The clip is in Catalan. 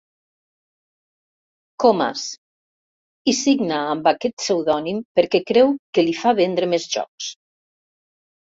Comas—, i signa amb aquest pseudònim perquè creu que li fa vendre més jocs.